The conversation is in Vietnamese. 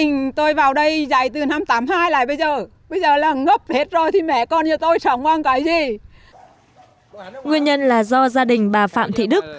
nguyên nhân là do gia đình bà phạm thị đức